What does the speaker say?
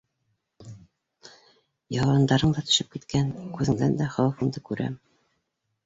Яурындарың да төшөп киткән, күҙеңдән дә хәүефеңде күрәм.